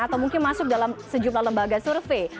atau mungkin masuk dalam sejumlah lembaga survei